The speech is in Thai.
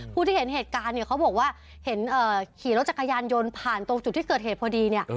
ผู้ที่เห็นเหตุการณ์เนี่ยเขาบอกว่าเห็นขี่รถจักรยานยนต์ผ่านตรงจุดที่เกิดเหตุพอดีเนี่ย